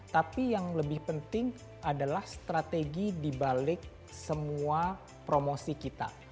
tapi yang lebih penting adalah strategi dibalik semua promosi kita